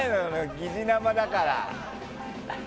疑似生だから。